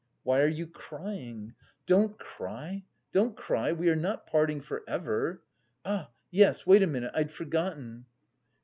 "Why are you crying? Don't cry, don't cry: we are not parting for ever! Ah, yes! Wait a minute, I'd forgotten!"